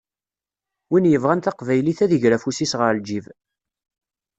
Win yebɣan taqbaylit ad iger afus-is ɣer lǧib.